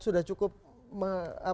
sudah cukup mengejauhkan